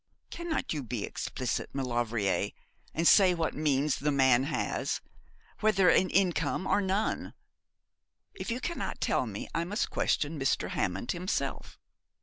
Cannot you be explicit, Maulevrier, and say what means the man has, whether an income or none? If you cannot tell me I must question Mr. Hammond himself.'